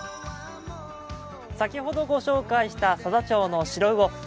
先ほどご紹介した佐々町のシロウオ。